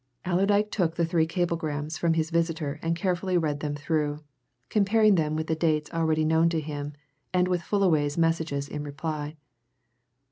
Allerdyke took the three cablegrams from his visitor and carefully read them through, comparing them with the dates already known to him, and with Fullaway's messages in reply.